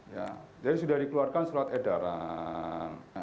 ya jadi sudah dikeluarkan surat edaran